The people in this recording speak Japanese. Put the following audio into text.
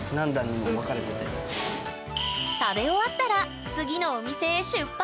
食べ終わったら次のお店へ出発！